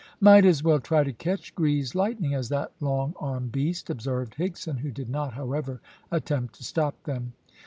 "Might as well try to catch greased lightning as that long armed beast," observed Higson, who did not, however, attempt to stop them.